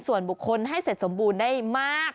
ส่วนบุคคลให้เสร็จสมบูรณ์ได้มาก